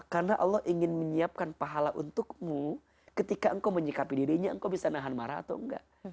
karena allah ingin menyiapkan pahala untukmu ketika engkau menyikapi dirinya engkau bisa nahan marah atau enggak